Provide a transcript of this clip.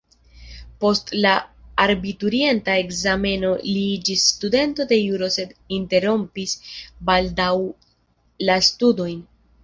Post la abiturienta ekzameno li iĝis studento de juro sed interrompis baldaŭ la studojn.